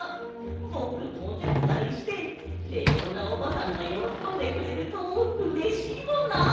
ぼくもおてつだいしてレオーナおばさんがよろこんでくれるとうれしいもんな。